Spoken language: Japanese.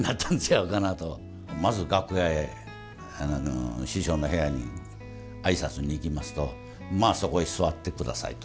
まず楽屋へ師匠の部屋に挨拶に行きますと「まあそこへ座って下さい」と。